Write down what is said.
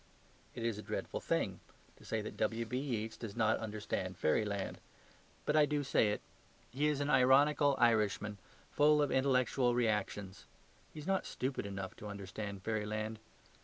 It is a dreadful thing to say that Mr. W.B.Yeats does not understand fairyland. But I do say it. He is an ironical Irishman, full of intellectual reactions. He is not stupid enough to understand fairyland.